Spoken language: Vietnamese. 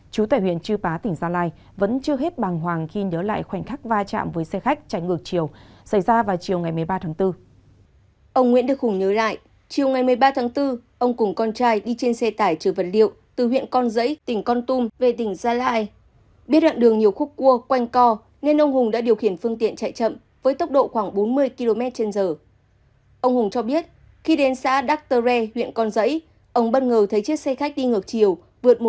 chú tài huyện chư phá tỉnh gia lai vẫn chưa hết bàng hoàng khi nhớ lại khoảnh khắc vai trạm với xe khách chảy ngược chiều